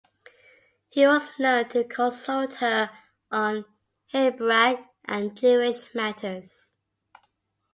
He was known to consult her on Hebraic and Jewish matters.